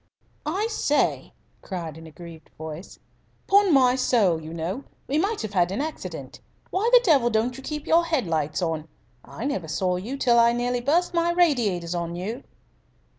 "I say," cried an aggrieved voice, "'pon my soul, you know, we might have had an accident. Why the devil don't you keep your head lights on? I never saw you till I nearly burst my radiators on you!"